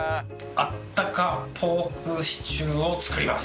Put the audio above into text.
あったかポークシチューを作ります。